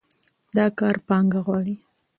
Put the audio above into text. دا کار پانګه غواړي.